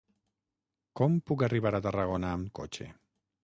Com puc arribar a Tarragona amb cotxe?